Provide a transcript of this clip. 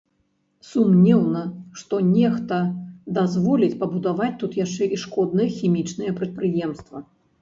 Сумнеўна, што нехта дазволіць пабудаваць тут яшчэ і шкоднае хімічнае прадпрыемства.